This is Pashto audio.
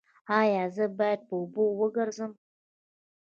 ایا زه باید په اوبو وګرځم؟